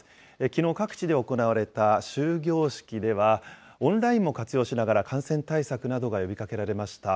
きのう、各地で行われた終業式では、オンラインも活用しながら、感染対策などが呼びかけられました。